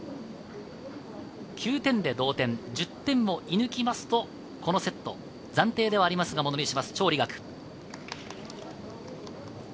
９点で同点、１０点を射抜きますと、このセット、暫定ではありますが、ものにします、チョウ・リガク。